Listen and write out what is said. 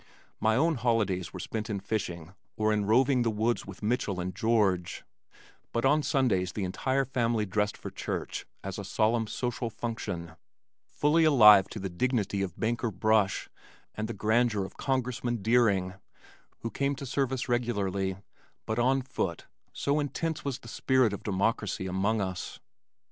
My own holidays were spent in fishing or in roving the woods with Mitchell and George, but on Sundays the entire family dressed for church as for a solemn social function, fully alive to the dignity of Banker Brush, and the grandeur of Congressman Deering who came to service regularly but on foot, so intense was the spirit of democracy among us.